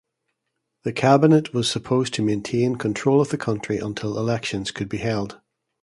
The cabinet was supposed maintain control of the country until elections could be held.